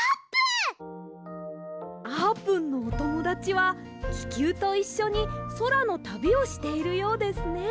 あーぷんのおともだちはききゅうといっしょにそらのたびをしているようですね！